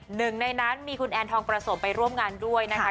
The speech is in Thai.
หนึ่งในนั้นมีคุณแอนทองประสมไปร่วมงานด้วยนะคะ